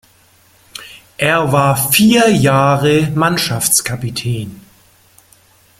Er war vier Jahre Mannschaftskapitän.